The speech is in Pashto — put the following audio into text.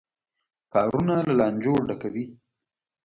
کارونه له لانجو ډکوي.